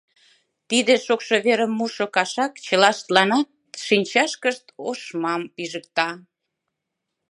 Тиде шокшо верым мушо кашак чылаштланат шинчашкышт ошмам пижыкта.